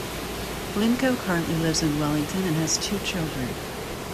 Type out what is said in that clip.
Blincoe currently lives in Wellington and has two children.